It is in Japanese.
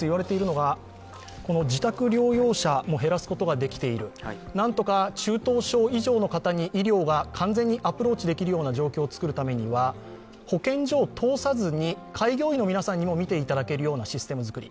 自宅療養者も減らすことができている、なんとか、中等症以上の方に完全にアプローチできるような状況を作るためには保健所を通さずに開業医の皆さんにも診ていただけるようなシステムづくり